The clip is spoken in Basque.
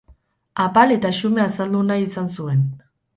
Apal eta xume azaldu nahi izan zuen.